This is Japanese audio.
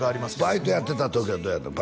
バイトやってた時はどうやの？